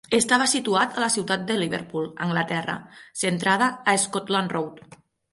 Estava situat a la ciutat de Liverpool a Anglaterra, centrada a Scotland Road.